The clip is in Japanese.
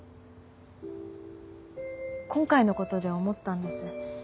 今回のことで思ったんです。